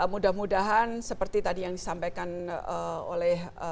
mudah mudahan seperti tadi yang disampaikan oleh